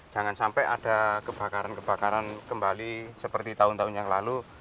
jangan sampai ada kebakaran kebakaran kembali seperti tahun tahun yang lalu